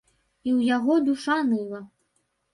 І ў яго душа ныла.